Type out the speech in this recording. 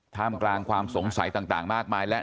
ท่ามกลางความสงสัยต่างมากมายและ